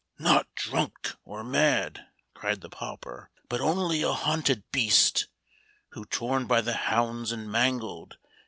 " Not drunk or mad," cried the pauper, " But only a hunted beast. Who, torn by the hounds and mangled.